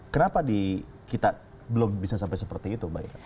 kenapa di kita belum bisa sampai seperti itu mbak ira